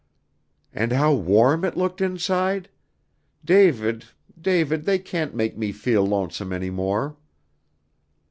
"And how warm it looked inside? David David they can't make me feel lonesome any more."